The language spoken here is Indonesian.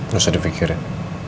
gak usah dipikirin